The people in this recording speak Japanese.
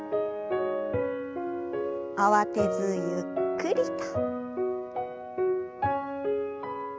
慌てずゆっくりと。